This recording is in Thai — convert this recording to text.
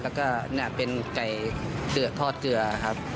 แล้วก็เป็นไก่เกลือทอดเกลือครับ